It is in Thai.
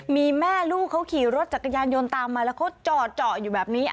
มีแม่ลูกเขาขี่รถจักรยานยนต์ตามมาแล้วเขาจอดเจาะอยู่แบบนี้